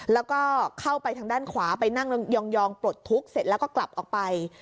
แล้วก็เข้าไปทางด้านขวาไปนั่งยองปลดทุกข์เสร็จแล้วก็กลับออกไป